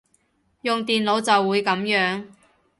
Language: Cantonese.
用電腦就會噉樣